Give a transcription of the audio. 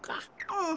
うん。